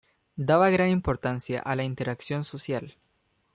Daba gran importancia a la interacción social.